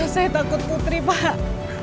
saya takut putri pak